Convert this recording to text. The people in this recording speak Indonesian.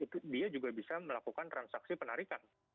itu dia juga bisa melakukan transaksi penarikan